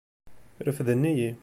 Refden-iyi.